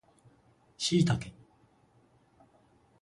シイタケ